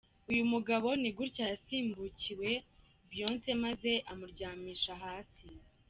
Uyu mugabo ni gutya yasimbukiye Beyonce maze amuryamisha hasi.